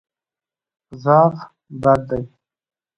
ضعف بد دی.